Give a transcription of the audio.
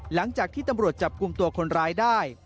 หลังจากที่ตำรวจจับกลุ่มตัวคนร้ายได้